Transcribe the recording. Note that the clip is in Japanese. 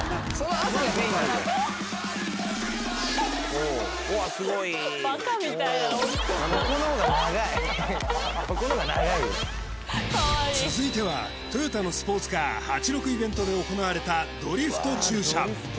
ここのが長いよ続いてはトヨタのスポーツカー８６イベントで行われたドリフト駐車